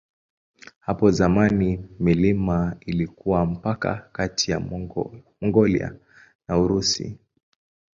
Hapo zamani milima ilikuwa mpaka kati ya Mongolia na Urusi.